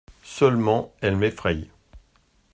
Seulement elle m'effraye.